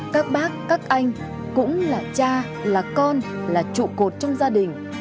các bác các anh cũng là cha là con là trụ cột trong gia đình